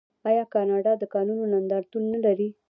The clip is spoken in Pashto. آیا کاناډا د کانونو نندارتون نلري؟